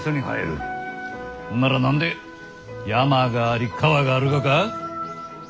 なら何で山があり川があるがか？